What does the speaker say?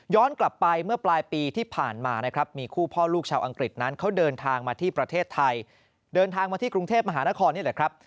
กลับไปเมื่อปลายปีที่ผ่านมานะครับมีคู่พ่อลูกชาวอังกฤษนั้นเขาเดินทางมาที่ประเทศไทยเดินทางมาที่กรุงเทพมหานครนี่แหละครับ